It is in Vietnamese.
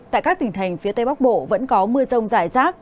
tại các tỉnh thành phía tây bắc bộ vẫn có mưa rông rải rác